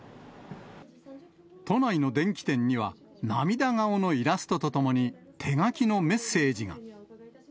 都内の電器店には、涙顔のイラストとともに、手書きのメッセージが。